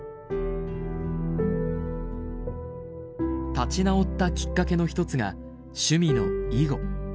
立ち直ったきっかけの一つが趣味の囲碁。